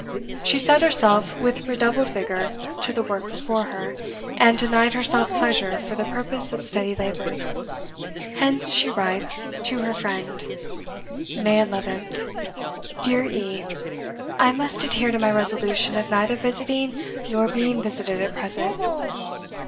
She set herself with redoubled vigour to the work before her; and denied herself pleasure for the purpose of steady labour. Hence she writes to her friend: "May 11th. "Dear E , I must adhere to my resolution of neither visiting nor being visited at present.